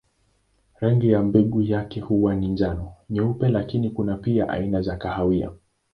Rangi ya mbegu zake huwa ni njano, nyeupe lakini kuna pia aina za kahawia.